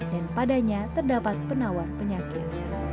dan padanya terdapat penawar penyakit